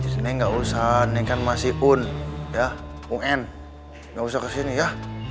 neng enggak usah neng kan masih un ya un enggak usah kesini ya